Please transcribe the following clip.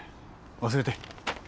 忘れて。